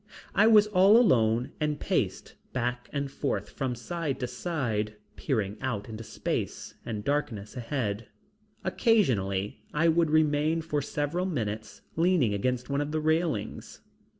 I was all alone and paced back and forth from side to side peering out into space and darkness ahead. Occasionally, I would remain for several minutes leaning against one of the railings.